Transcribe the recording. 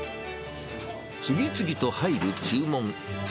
次々と入る注文。